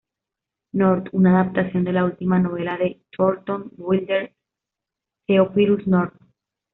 North", una adaptación de la última novela de Thornton Wilder, "Theophilus North".